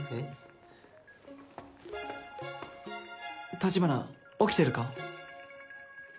橘起きてるか？